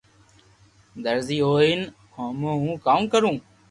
درزي ھوئين ھمو ھون ڪاوُ ڪرو